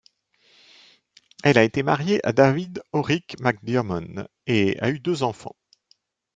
Elle a été mariée à David Orrick McDearmon et a eu deux enfants.